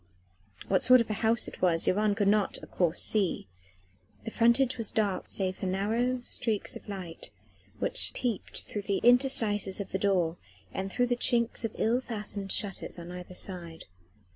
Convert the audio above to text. What sort of a house it was Yvonne could not, of course, see. The frontage was dark save for narrow streaks of light which peeped through the interstices of the door and through the chinks of ill fastened shutters on either side.